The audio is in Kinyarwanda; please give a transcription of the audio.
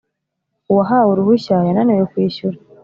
Uwahawe uruhushya yananiwe kwishyura